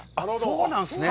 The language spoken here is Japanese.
そうなんですね。